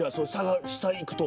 下いくと。